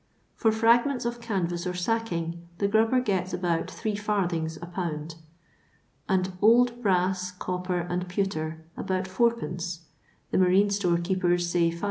For fragments of canvas or sacking the grubber gets about three farthings a pound; and old brass, copper, and pewter about id, (the marine store keepers say 5t